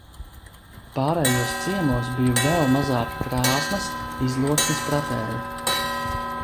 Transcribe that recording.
Pārējos ciemos bija vēl mazāk Krāsnas izloksnes pratēju.